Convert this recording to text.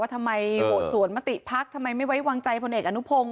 ทำไมโหวตสวนมติพักทำไมไม่ไว้วางใจพลเอกอนุพงศ